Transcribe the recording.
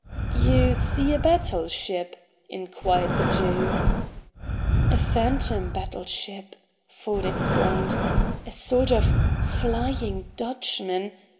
"You see a battle ship?" inquired the Jew. "A phantom battle ship," Ford explained, "a sort OF FLYING DUTCHMAN.